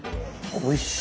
おいしい！